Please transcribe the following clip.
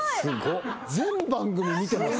全番組見てます？